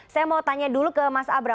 saya mau tanya dulu ke mas abra